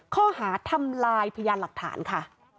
ข้อหาทำลายพยานหลักฐานค่ะ